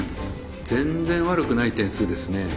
全然悪くない点数ですね。